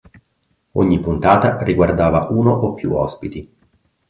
Ogni puntata riguardava uno o più ospiti.